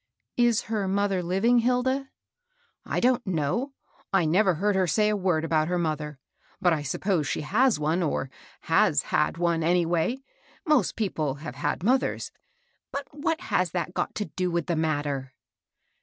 " Is her mother living, Hilda ?" "I don't know; I never heard her say a word about her mother. But I suppose she has one, or has had one, any way. Most people have had mothers. But what has that got to do with the matter?''